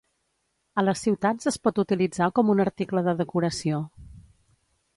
A les ciutats es pot utilitzar com un article de decoració.